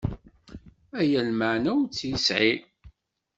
Aya lmeεna ur tt-yesεi.